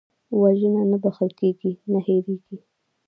وژنه نه بښل کېږي، نه هېرېږي